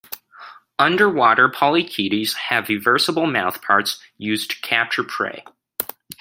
Underwater polychaetes have eversible mouthparts used to capture prey.